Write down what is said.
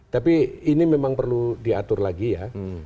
tapi ini memang perlu diatur lagi ya